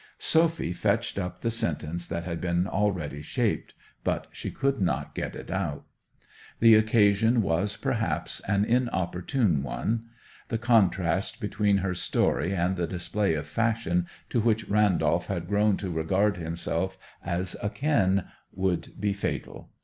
Sophy fetched up the sentence that had been already shaped; but she could not get it out. The occasion was, perhaps, an inopportune one. The contrast between her story and the display of fashion to which Randolph had grown to regard himself as akin would be fatal.